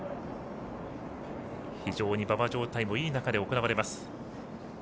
非常に馬場状態もいい中で行われます。